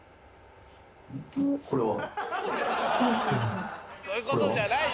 これは？